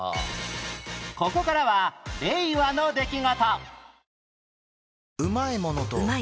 ここからは令和の出来事